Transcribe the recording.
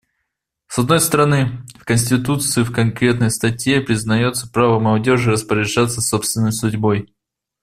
С одной стороны, в конституции в конкретной статье признается право молодежи распоряжаться собственной судьбой.